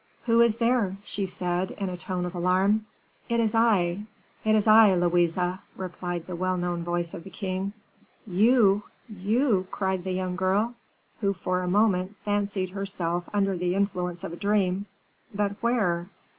"Who is there?" she said, in a tone of alarm. "It is I, Louise," replied the well known voice of the king. "You! you!" cried the young girl, who for a moment fancied herself under the influence of a dream. "But where?